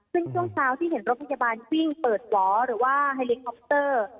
ซึ่งช่วงเช้าที่เห็นรถพยาบาลวิ่งเปิดหวอหรือว่าไฮลิคอปเตอร์